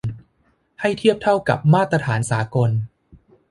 ให้เทียบเท่ากับมาตรฐานสากล